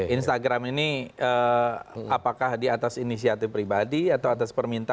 instagram ini apakah di atas inisiatif pribadi atau atas permintaan